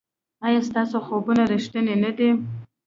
ایا ستاسو خوبونه ریښتیني نه دي؟